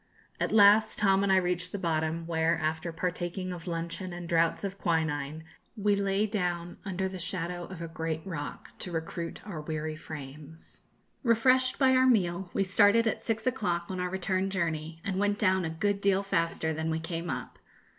At last Tom and I reached the bottom, where, after partaking of luncheon and draughts of quinine, we lay down under the shadow of a great rock to recruit our weary frames. Refreshed by our meal, we started at six o'clock on our return journey, and went down a good deal faster than we came up.